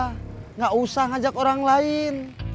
tidak usah ngajak orang lain